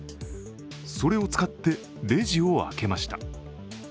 それを使ってレジを開けました。